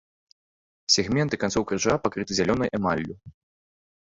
Сегменты канцоў крыжа пакрыты зялёнай эмаллю.